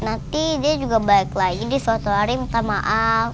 nanti dia juga baik lagi di suatu hari minta maaf